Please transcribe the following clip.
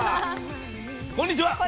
こんにちは。